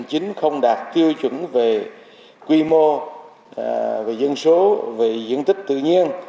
hành chính không đạt tiêu chuẩn về quy mô dân số diện tích tự nhiên